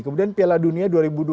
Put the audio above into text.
kemudian piala dunia dua ribu dua puluh